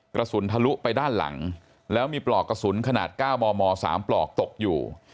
กระสุนทะลุไปด้านหลังแล้วมีปลอกกระสุนขนาด๙มม๓ปลอกตกอยู่